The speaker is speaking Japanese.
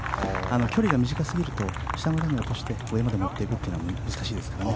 距離が短すぎると下の段を通して上まで持っていくというのは難しいですね。